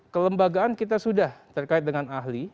kelembagaan kita sudah terkait dengan ahli